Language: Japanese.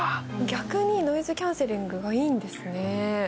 逆にノイズキャンセリングがいいんですね